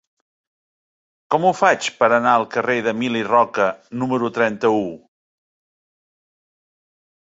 Com ho faig per anar al carrer d'Emili Roca número trenta-u?